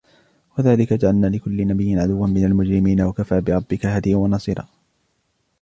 وكذلك جعلنا لكل نبي عدوا من المجرمين وكفى بربك هاديا ونصيرا